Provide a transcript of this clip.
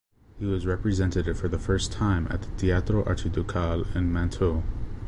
He was represented for the first time at the Teatro Arciducale in Mantoue.